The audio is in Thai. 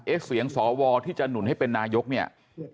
เสียงสวที่จะหนุนให้เป็นนายกเนี่ย